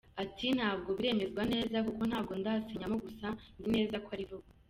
Ati “Ntabwo biremezwa neza kuko ntabwo ndasinyamo gusa nzi neza ko ari vuba.